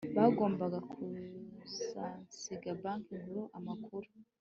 bagomba gusangiza Banki Nkuru amakuru